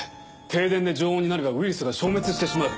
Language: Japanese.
停電で常温になればウイルスが消滅してしまう。